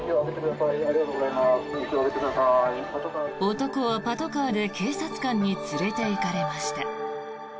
男は、パトカーで警察官に連れていかれました。